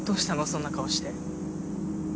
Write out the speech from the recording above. そんな顔して。